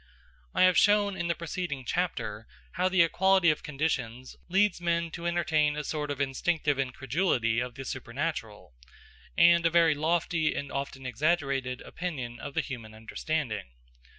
I have shown in the preceding chapter how the equality of conditions leads men to entertain a sort of instinctive incredulity of the supernatural, and a very lofty and often exaggerated opinion of the human understanding.